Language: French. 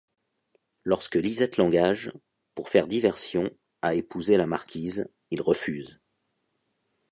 Lorsque Lisette l’engage, pour faire diversion, à épouser la marquise, il refuse.